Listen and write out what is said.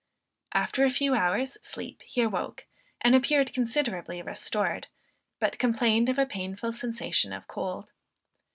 After a few hours sleep he awoke, and appeared considerably restored, but complained of a painful sensation of cold.